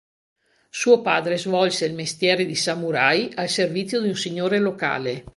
Suo padre svolse il mestiere di samurai al servizio di un signore locale.